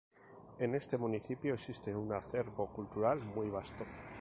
En este municipio existe un acervo cultural muy vasto.